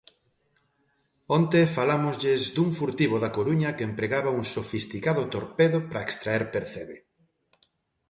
Onte falámoslles dun furtivo da Coruña que empregaba un sofisticado torpedo para extraer percebe.